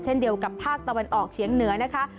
เช่นเดียวกับภาคตะวันออกเฉียงเหนือนะคะ